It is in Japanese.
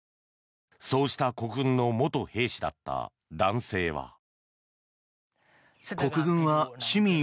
そうした国軍の元兵士だった男性は。